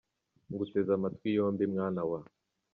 Nguteze amatwi yombi mwana wa!